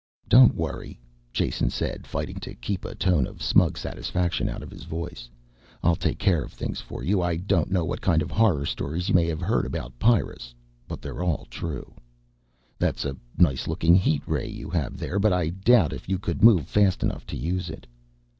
"Don't worry," Jason said, fighting to keep a tone of smug satisfaction out of his voice, "I'll take care of things for you. I don't know what kind of horror stories you may have heard about Pyrrus but they're all true. That's a nice looking heat ray you have there, but I doubt if you could move fast enough to use it."